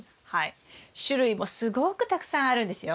種類もすごくたくさんあるんですよ。